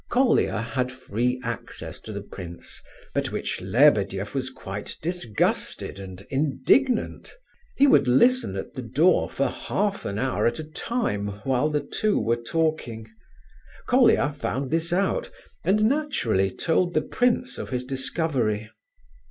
Colia had free access to the prince, at which Lebedeff was quite disgusted and indignant. He would listen at the door for half an hour at a time while the two were talking. Colia found this out, and naturally told the prince of his discovery.